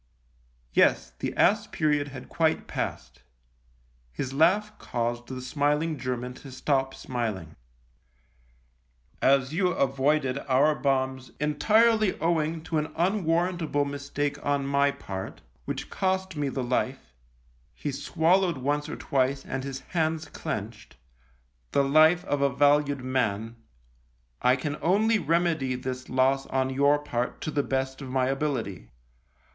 Yes, the ass period had quite passed. His laugh caused the smiling German to stop smiling. " As you avoided our bombs entirely owing to an unwarrantable mistake on my part — which cost me the life "■— he swallowed once or twice and his hands clenched —" the life of a valued man, I can only remedy this loss on your part to the best of my ability."